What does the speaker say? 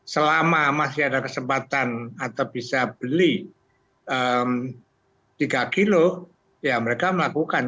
selama masih ada kesempatan atau bisa beli tiga kg ya mereka melakukan